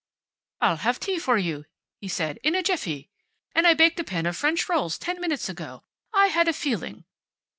"I'll have tea for you," he said, "in a jiffy. And I baked a pan of French rolls ten minutes ago. I had a feeling."